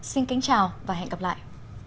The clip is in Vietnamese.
xin kính chào và hẹn gặp lại